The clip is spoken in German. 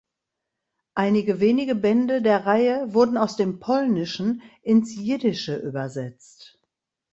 Einige wenige Bände der Reihe wurden aus dem Polnischen ins Jiddische übersetzt.